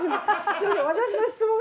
すみません。